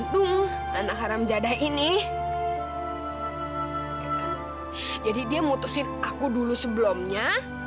sampai jumpa di video selanjutnya